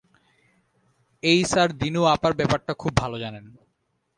এই স্যার দিনু আপার ব্যাপারটা খুব ভালো জানেন।